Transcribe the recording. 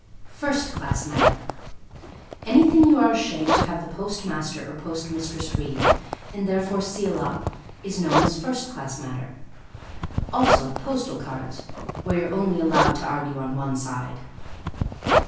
=First class Matter.= Anything you are ashamed to have the postmaster or postmistress read, and therefore seal up, is known as first class matter. Also, postal cards, where you're only allowed to argue on one side.